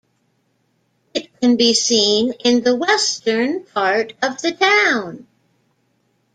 It can be seen in the western part of the town.